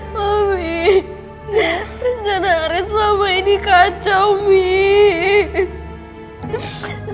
mami rencana aris selama ini kacau mie